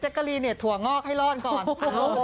แจ๊กกะลีถั่วงอกให้รอดก่อน